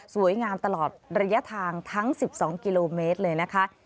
ตลอดระยะทางทั้ง๑๒กิโลเมตรเลยนะคะ